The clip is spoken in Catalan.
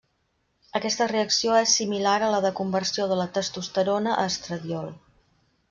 Aquesta reacció és similar a la de conversió de la testosterona a estradiol.